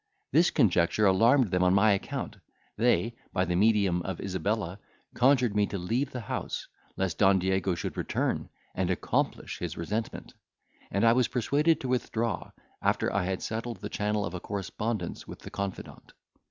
This conjecture alarmed them on my account; they, by the medium of Isabella, conjured me to leave the house, lest Don Diego should return, and accomplish his resentment; and I was persuaded to withdraw, after I had settled the channel of a correspondence with the confidant.